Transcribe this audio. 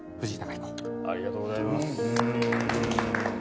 ありがとうございます。